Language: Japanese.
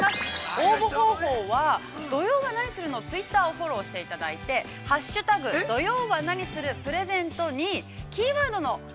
応募方法は、「土曜はナニする！？」のツイッターをフォローして「＃土曜はナニするプレゼント」にキーワード